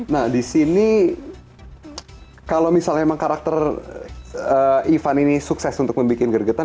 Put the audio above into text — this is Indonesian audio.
nah disini kalau misalnya memang karakter ivan ini sukses untuk membuat geregetan